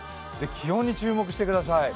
気温に注目してください。